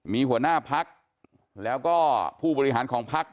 มีหัวหน้าพักแล้วก็ผู้บริหารของพัก